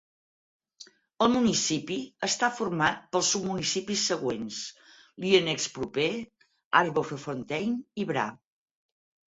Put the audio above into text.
El municipi està format pels submunicipis següents: Lierneux proper, Arbrefontaine i Bra.